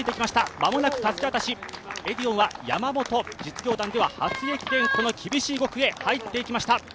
まもなくたすき渡し、エディオンは山本実業団では初駅伝、厳しい５区へ入っていきました。